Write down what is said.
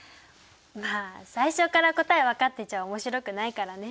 まあ最初から答え分かってちゃ面白くないからね。